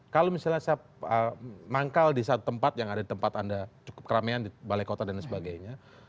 kalau misalnya saya manggal di satu tempat yang ada di tempat anda cukup keramaian di balai kota dan sebagainya